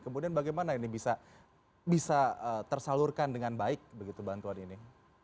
kemudian bagaimana ini bisa tersalurkan dengan baik begitu bantuan ini